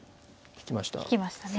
引きましたね。